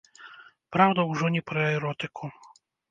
Праўда, ужо не пра эротыку.